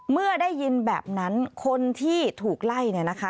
เมื่อได้ยินแบบนั้นคนที่ถูกไล่เนี่ยนะคะ